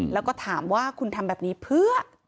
แล้วก็ถามว่าคุณทำแบบนี้เพื่อ